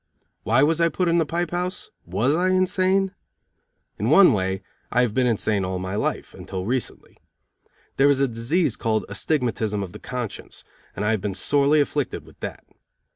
Why was I put in the Pipe House? Was I insane? In one way I have been insane all my life, until recently. There is a disease called astigmatism of the conscience, and I have been sorely afflicted with that.